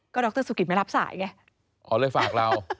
ดรสุกิตไม่รับสายไงอ๋อเลยฝากเรา